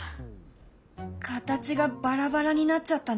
形がバラバラになっちゃったね。